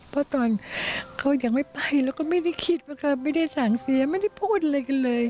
เพราะตอนเขายังไม่ไปแล้วก็ไม่ได้คิดว่าเขาไม่ได้สั่งเสียไม่ได้พูดอะไรกันเลย